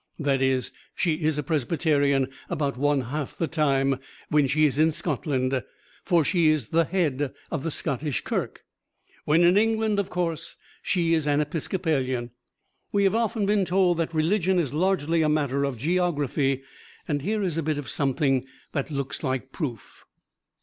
That is, she is a Presbyterian about one half the time when she is in Scotland, for she is the head of the Scottish Kirk. When in England, of course she is an Episcopalian. We have often been told that religion is largely a matter of geography, and here is a bit of something that looks like proof.